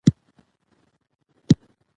دا د هر انساني موجود اساسي تجربه ده.